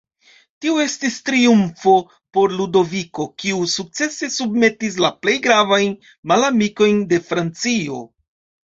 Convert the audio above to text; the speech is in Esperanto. Tio estis triumfo por Ludoviko, kiu sukcese submetis la plej gravajn malamikojn de Francio.